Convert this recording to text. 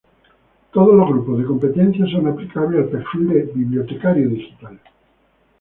Todos los grupos de competencias son aplicables al perfil de bibliotecario digital.